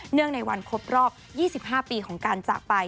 ในวันครบรอบ๒๕ปีของการจากไป